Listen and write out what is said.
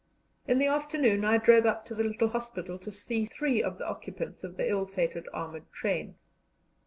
In the afternoon I drove up to the little hospital to see three of the occupants of the ill fated armoured train.